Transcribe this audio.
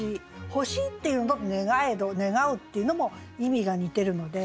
「欲しい」っていうのと「願えど」「願う」っていうのも意味が似てるので。